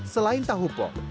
selain tahu pong